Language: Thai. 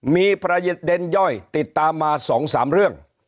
มีประเด็นย่อยติดตามมา๒๓เรื่อง